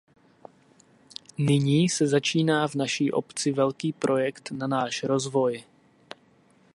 Nyní se začíná v naší obci velký projekt na náš rozvoj.